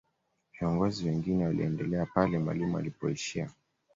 viongozi wengine waliendelea pale mwalimu alipoishia